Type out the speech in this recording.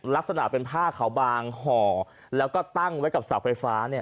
ลักษณะเป็นผ้าขาวบางห่อแล้วก็ตั้งไว้กับเสาไฟฟ้าเนี่ย